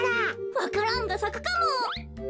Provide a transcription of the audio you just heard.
わか蘭がさくかも！